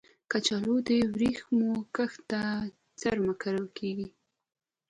کچالو د ورېښمو کښت ته څېرمه کرل کېږي